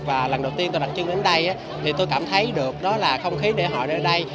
và lần đầu tiên tôi đặt chân đến đây thì tôi cảm thấy được đó là không khí lễ hội này ở đây